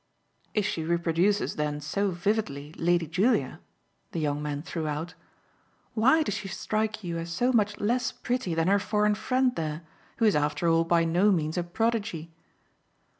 "If she reproduces then so vividly Lady Julia," the young man threw out, "why does she strike you as so much less pretty than her foreign friend there, who is after all by no means a prodigy?"